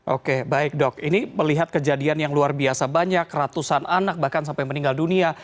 oke baik dok ini melihat kejadian yang luar biasa banyak ratusan anak bahkan sampai meninggal dunia